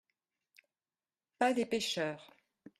—Pas des pêcheurs.